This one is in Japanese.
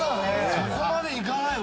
「そこまでいかないわ！」